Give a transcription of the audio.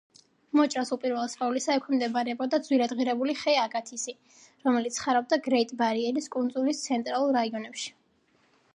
მოჭრას უპირველეს ყოვლისა ექვემდებარებოდა ძვირადღირებული ხე აგათისი, რომელიც ხარობდა გრეიტ-ბარიერის კუნძულის ცენტრალურ რაიონებში.